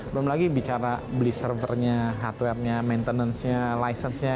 belum lagi bicara beli servernya hardware nya maintenance nya license nya